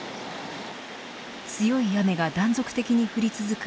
強い雨が断続的に降り続く